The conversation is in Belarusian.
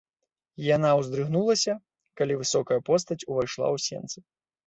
Яна ўздрыганулася, калі высокая постаць увайшла ў сенцы.